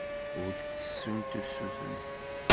Ur d-ttessunt usuten.